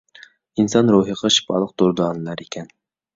ئىنسان روھىغا شىپالىق دۇردانىلەر ئىكەن.